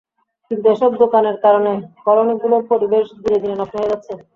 কিন্তু এসব দোকানের কারণে কলোনিগুলোর পরিবেশ দিনে দিনে নষ্ট হয়ে যাচ্ছে।